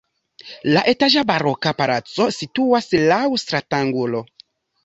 La etaĝa baroka palaco situas laŭ stratangulo.